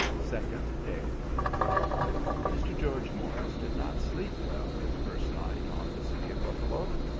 Second Day Mr. George Morris did not sleep well his first night on the City of Buffalo.